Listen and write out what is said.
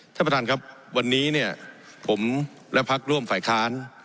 ท่านประธานครับวันนี้เนี่ยผมและพักร่วมฝ่ายค้าน